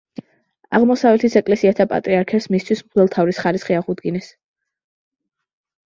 აღმოსავლეთის ეკლესიათა პატრიარქებს მისთვის მღვდელმთავრის ხარისხი აღუდგინეს.